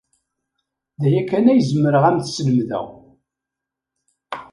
D aya kan ay zemreɣ ad am-t-slemdeɣ.